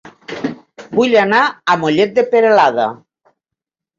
Vull anar a Mollet de Peralada